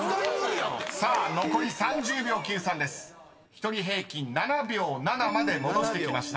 ［１人平均７秒７まで戻してきました］